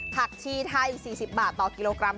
ผักชีไทย๔๐บาทต่อกิโลกรัม